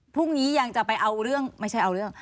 พรุ่งนี้ยังจะไปเอาเรื่องไม่ใช่เอาเรื่อง